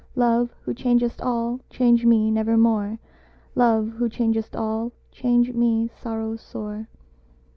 Love, who changest all, change me nevermore! "Love, who changest all, change my sorrow sore!"